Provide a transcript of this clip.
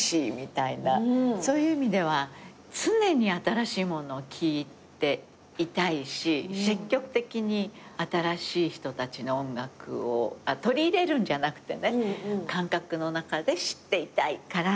そういう意味では常に新しいもの聴いていたいし積極的に新しい人たちの音楽をあっ取り入れるんじゃなくてね感覚の中で知っていたいから。